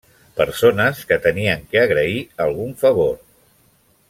Persones que tenien que agrair algun favor.